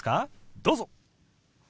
どうぞ。